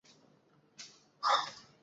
আমার দাদার সাথে পরিচিত হোন।